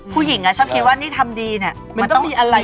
ผู้หญิงชอบคิดว่านี่ทำดีเนี่ยมันต้องมีอะไร